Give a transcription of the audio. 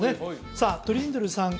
さあトリンドルさん